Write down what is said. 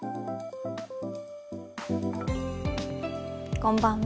こんばんは。